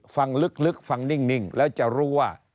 ฟังลึกฟังนิ่งแล้วจะรู้ว่า